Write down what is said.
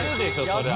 そりゃ。